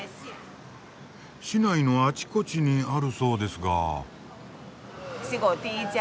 市内のあちこちにあるそうですが。